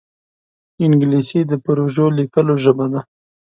انګلیسي د پروژو د لیکلو ژبه ده